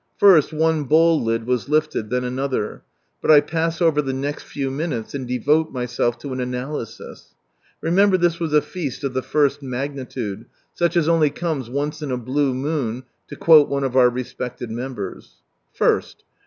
First one bowl lid was lifted, then another, — but I pass over the next few minutes, and devote myself to an analysis. Remember this was a feast of the first magnitude, such as only comes " once in a blue moon," to quote one of our respected members. ist.